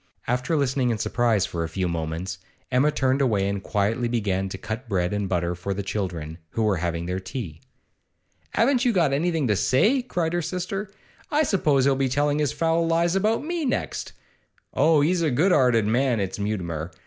After listening in surprise for a few moments, Emma turned away and quietly began to cut bread and butter for the children, who were having their tea. 'Haven't you got anything to say?' cried her sister. 'I suppose he'll be telling his foul lies about me next. Oh, he's a good 'earted man, is Mutimer!